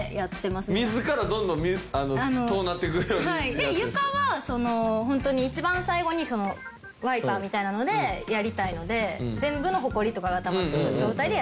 で床はホントに１番最後にワイパーみたいなのでやりたいので全部のホコリとかがたまってる状態でやりたい。